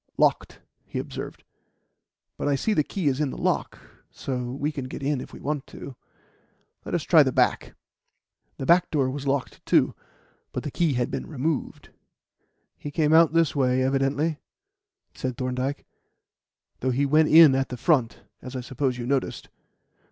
"Locked," he observed, "but I see the key is in the lock, so we can get in if we want to. Let us try the back." The back door was locked, too, but the key had been removed. "He came out this way, evidently," said Thorndyke, "though he went in at the front, as I suppose you noticed.